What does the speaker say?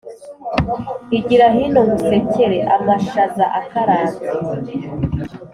Igira hino ngusekere-Amashaza akaranze.